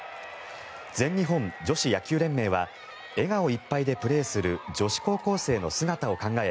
全日本女子野球連盟は笑顔いっぱいでプレーする女子高校生の姿を考え